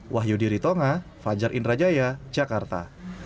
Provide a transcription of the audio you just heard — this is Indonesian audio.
wahyu diritonga fajar indrajaya jakarta